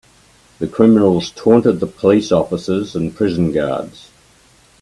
The criminals taunted the police officers and prison guards.